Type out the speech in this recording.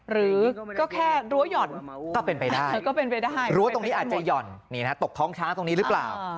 หรือก็แค่รั้วหย่อนก็เป็นไปได้รั้วตรงนี้อาจจะห่อนตกท้องช้างตรงนี้หรือเปล่า